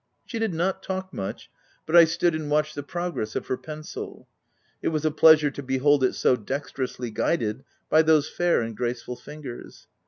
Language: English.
She did not talk much ; but I stood and watched the progress of her pencil : it was a pleasure to behold it so dexterously guided by those fair and graceful fingers.